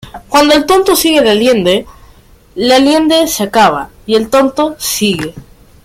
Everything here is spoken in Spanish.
Cuando el tonto sigue la linde, la linde se acaba y el tonto sigue